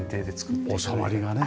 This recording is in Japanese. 収まりがね。